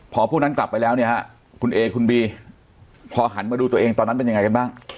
พอพวกนั้นกลับไปแล้วเนี่ยฮะคุณเอคุณบีพอหันมาดูตัวเองตอนนั้นเป็นยังไงกันบ้าง